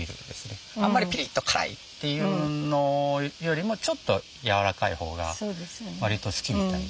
あんまりピリッと辛いっていうのよりもちょっとやわらかい方が割と好きみたい。